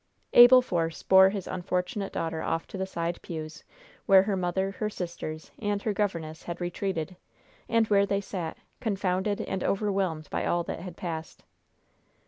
Abel Force bore his unfortunate daughter off to the side pews, where her mother, her sisters and her governess had retreated, and where they sat, confounded and overwhelmed by all that had passed.